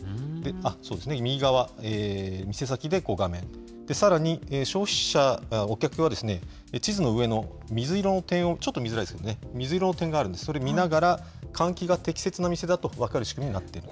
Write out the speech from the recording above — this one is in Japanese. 右側、店先で画面、さらに消費者、お客は地図の上の水色の点を、ちょっと見づらいですよね、水色の点があるので、それを見ながら換気が適切なお店だと分かる仕組みになっている。